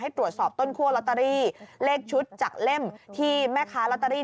ตรวจสอบต้นคั่วลอตเตอรี่เลขชุดจากเล่มที่แม่ค้าลอตเตอรี่